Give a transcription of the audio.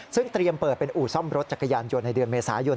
ซึ่งเตรียมเปิดเป็นอู่ซ่อมรถจักรยานยนต์ในเดือนเมษายน